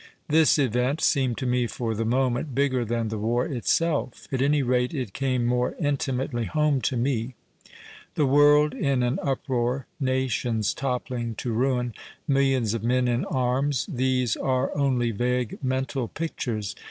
This event seemed to me for the moment bigger than the war itself. At any rate it came more intimately home to me. The world in an uproar, nations toppling to ruin, millions of men in arms — these are only vague mental pictures.